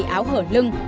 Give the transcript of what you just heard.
ngắn hay áo hở lưng